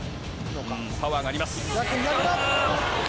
パワーがあります。